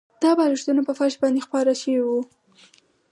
دا بالښتونه په فرش باندې خپاره شوي وو